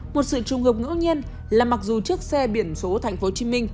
một sự trùng hợp ngẫu nhiên là mặc dù chiếc xe biển số tp hcm